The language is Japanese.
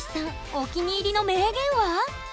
お気に入りの名言は？